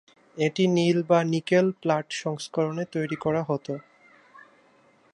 এটি নীল বা নিকেল-প্লাট সংস্করণে তৈরি করা হত।